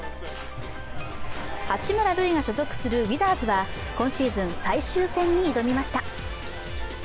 八村塁が所属するウィザーズは、今シーズン最終戦に挑みました。